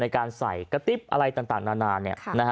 ในการใส่กระติ๊บอะไรต่างนานา